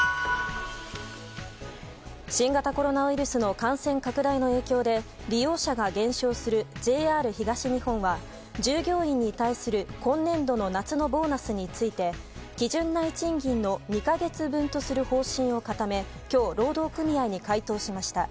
新型コロナウイルスの感染拡大の影響で利用者が減少するＪＲ東日本は従業員に対する今年度の夏のボーナスについて基準内賃金の２か月分とする方針を固め今日、労働組合に回答しました。